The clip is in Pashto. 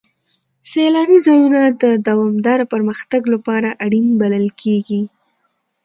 سیلاني ځایونه د دوامداره پرمختګ لپاره اړین بلل کېږي.